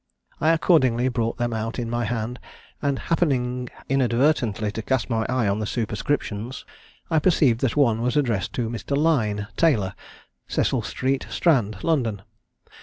I accordingly brought them out in my hand, and happening inadvertently to cast my eye on the superscriptions, I perceived that one was addressed to Mr. Lyne, tailor, Cecil Street, Strand, London.